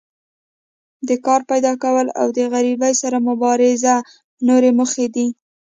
د کار پیداکول او د غریبۍ سره مبارزه نورې موخې دي.